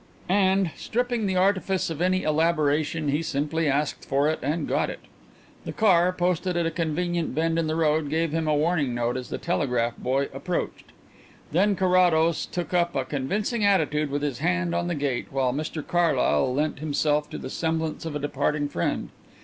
And, stripping the artifice of any elaboration, he simply asked for it and got it. The car, posted at a convenient bend in the road, gave him a warning note as the telegraph boy approached. Then Carrados took up a convincing attitude with his hand on the gate while Mr Carlyle lent himself to the semblance of a departing friend.